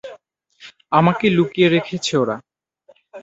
আমাকে লুকিয়ে রেখেছে ওরা?